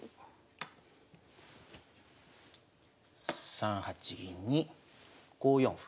３八銀に５四歩。